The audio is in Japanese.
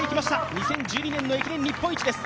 ２０１２年の駅伝日本一です。